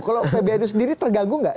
kalau pbnu sendiri terganggu nggak